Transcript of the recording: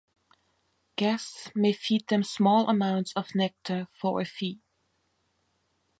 Guests may feed them small amounts of nectar for a fee.